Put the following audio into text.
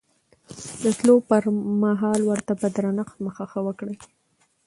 د تلو پر مهال ورته په درنښت مخه ښه وکړئ.